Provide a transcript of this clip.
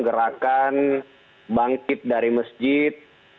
gerakan bangkit dari masjid